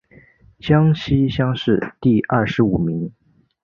江西乡试第二十五名。